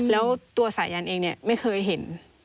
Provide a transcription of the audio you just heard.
แล้วตัวสายันเองเนี่ยไม่เคยเห็น